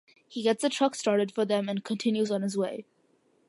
He gets the truck started for them and continues on his way.